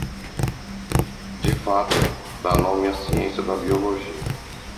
De fato, dá nome à ciência da biologia.